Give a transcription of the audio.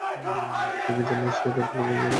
আপনি কি জানেন, সে রাতে লুকিয়ে রিয়েলিটি শো দেখে?